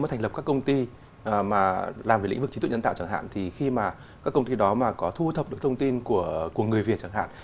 nếu thành lập các công ty mà làm về lĩnh vực trí tuệ nhân tạo chẳng hạn thì khi mà các công ty đó mà có thu thập được thông tin của người việt chẳng hạn